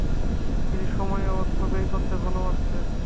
তিনি সময় ও অর্থ ব্যয় করতে ভালোবাসতেন।